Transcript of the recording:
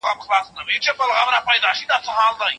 په هغه شپه مې ستا له پښې څخه پايزېب خلاص کړی